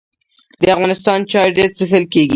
د افغانستان چای ډیر څښل کیږي